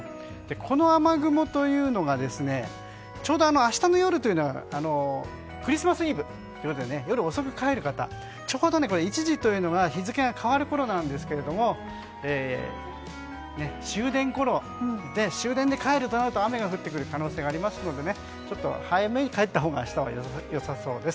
この雨雲というのがちょうど明日の夜というのがクリスマスイブということで夜遅くに帰る方ちょうど１時というのが日付が変わるころなんですけど終電で帰るとなると雨が降る可能性があるのでちょっと早めに帰ったほうが明日はよさそうです。